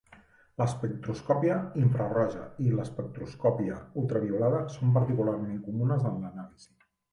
L'espectroscòpia infraroja i l'espectroscòpia ultraviolada són particularment comunes en l'anàlisi.